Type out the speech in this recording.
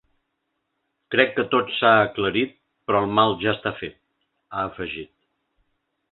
Crec que tot s’ha esclarit, però el mal ja està fet, ha afegit.